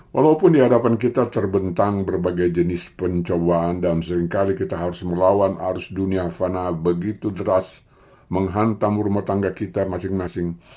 walaupun di hadapan kita terbentang berbagai jenis pencobaan dan seringkali kita harus melawan arus dunia fana begitu deras menghantam rumah tangga kita masing masing